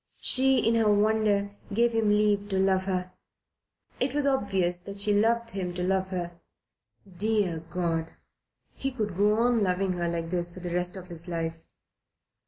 She, in her wonder, gave him leave to love her. It was obvious that she loved him to love her. Dear God! He could go on loving her like this for the rest of his life.